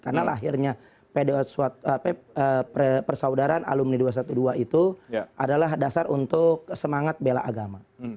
karena lahirnya persaudaraan alumni dua ratus dua belas itu adalah dasar untuk semangat bela agama